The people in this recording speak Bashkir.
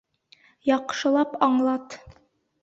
Яҡшылап аңлат!